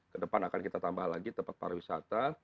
kedepan akan kita tambah lagi tempat para wisata